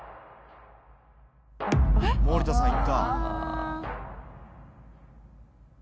森田さん行った。